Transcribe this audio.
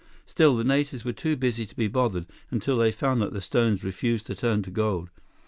Still, the natives were too busy to be bothered until they found that the stones refused to turn to gold.